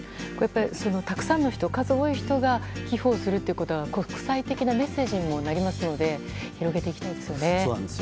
たくさんの人、数多くの人が寄付をするということがメッセージにもなりますので広げていきたいですね。